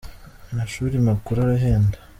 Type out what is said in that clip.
Amashuri makuru arahenda.